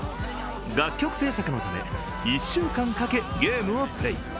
楽曲制作のため１週間かけ、ゲームをプレー。